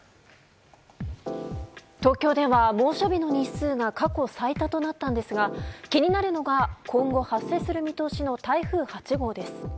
東京では猛暑日の日数が過去最多となったんですが気になるのが今後発生する見通しの台風８号です。